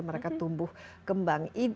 mereka tumbuh kembang